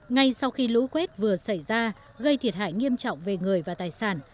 ngay sau khi lũ quét vừa xảy ra gây thiệt hại nghiêm trọng về người và tài sản